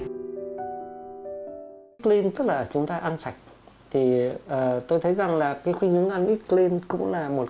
eat clean tức là chúng ta ăn sạch thì tôi thấy rằng là cái khuyến hướng ăn eat clean cũng là một